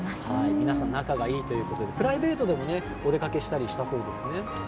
皆さん仲いいということでプライベートでもお出かけしたりしたそうですね。